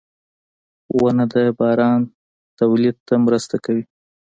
• ونه د باران تولید ته مرسته کوي.